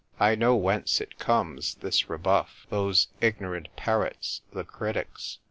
I know whence it comes, this re buff: those ignorant parrots, the critics.